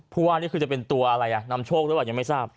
ผู้ว่านี่คือจะเป็นตัวอะไรนำโชคด้วยหรอยังไม่ทราบ